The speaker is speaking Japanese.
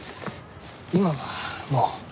今はもう。